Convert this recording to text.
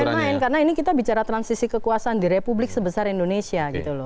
main main karena ini kita bicara transisi kekuasaan di republik sebesar indonesia gitu loh